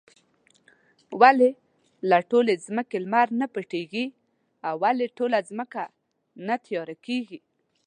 ولې له ټولې ځمکې لمر نۀ پټيږي؟ او ولې ټوله ځمکه نه تياره کيږي؟